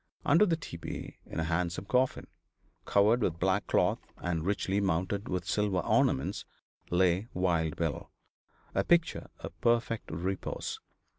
Under the tepee, in a handsome coffin, covered with black cloth and richly mounted with silver ornaments, lay Wild Bill, a picture of perfect repose.